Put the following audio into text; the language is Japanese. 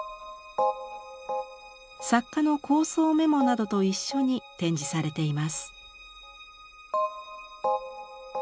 作家の構想メモなどと一緒に展示されています。